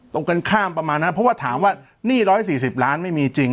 ตรงกันข้ามประมาณนั้นเพราะว่าถามว่าหนี้๑๔๐ล้านไม่มีจริง